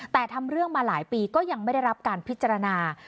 แต่ทำเรื่องมาหลายปีก็ยังไม่ได้รับการพิจารณา